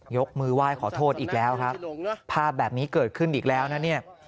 ยกมือไหว้ขอโทษอีกแล้วครับภาพแบบนี้เกิดขึ้นอีกแล้วนะเนี่ย